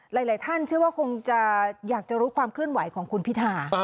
หลายท่านเชื่อว่าคงจะอยากจะรู้ความเคลื่อนไหวของคุณพิธา